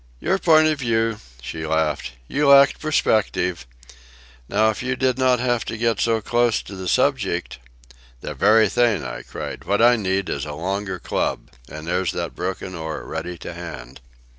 "Your point of view," she laughed. "You lacked perspective. Now if you did not have to get so close to the subject—" "The very thing!" I cried. "What I need is a longer club. And there's that broken oar ready to hand."